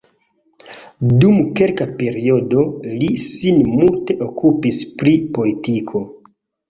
Dum kelka periodo li sin multe okupis pri politiko.